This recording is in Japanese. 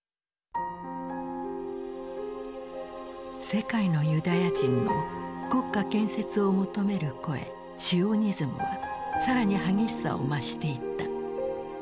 世界のユダヤ人の国家建設を求める声シオニズムは更に激しさを増していった。